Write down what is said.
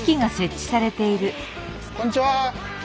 こんにちは。